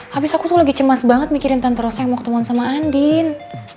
habis aku tuh lagi cemas banget mikirin tante rosa yang mau ketemuan sama andin